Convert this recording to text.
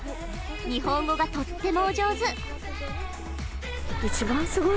日本語がとってもお上手。